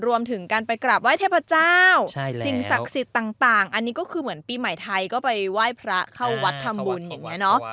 รวมถึงการไปกราบไห้เทพเจ้าสิ่งศักดิ์สิทธิ์ต่างอันนี้ก็คือเหมือนปีใหม่ไทยก็ไปไหว้พระเข้าวัดทำบุญอย่างนี้เนาะ